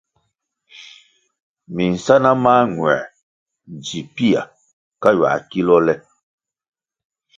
Minsáná mañuer dzi pia ka ywia kilôh le.